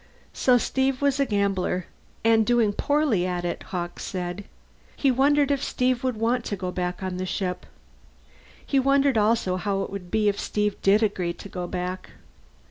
So Steve was a gambler! And doing poorly at it, Hawkes said. He wondered if Steve would want to go back on the ship. He wondered also how it would be if Steve did agree to go back.